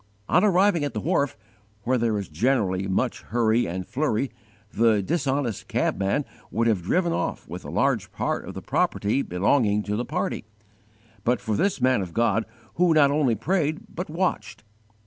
On arriving at the wharf, where there is generally much hurry and flurry, the dishonest cabman would have driven off with a large part of the property belonging to the party, but for this man of God who not only prayed but _watched.